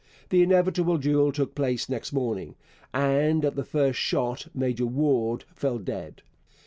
The inevitable duel took place next morning, and at the first shot Major Warde fell dead.